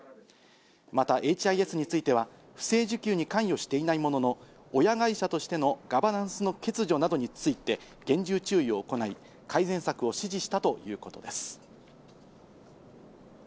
また、ＨＩＳについては、不正受給に関与していないものの、親会社としてのガバナンスの欠如などについて厳重注意を行い、改善策を指示したということです。